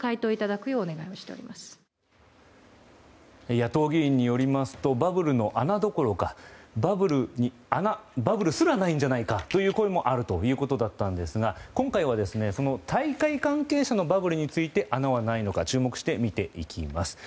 野党議員によりますとバブルの穴どころかバブルすらないんじゃないかという声もあるということだったんですが今回は大会関係者のバブルについて穴はないのか注目して見ていきます。